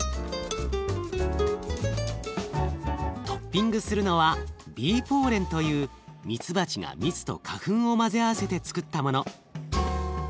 トッピングするのはビーポーレンというミツバチが蜜と花粉を混ぜ合わせてつくったもの。